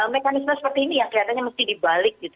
mekanisme seperti ini yang kelihatannya mesti dibalik gitu